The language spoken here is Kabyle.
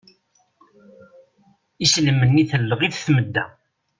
Islem-nni telleɣ-it tmedda.